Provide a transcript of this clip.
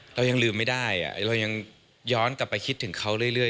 เรายังลืมไม่ได้เรายังย้อนกลับไปคิดถึงเขาเรื่อย